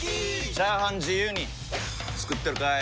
チャーハン自由に作ってるかい！？